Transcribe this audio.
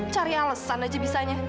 cari alesan aja bisanya